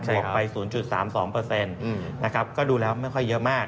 บวกไป๐๓๒ก็ดูแล้วไม่ค่อยเยอะมาก